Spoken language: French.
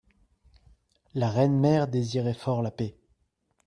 La reine mère désirait fort la paix.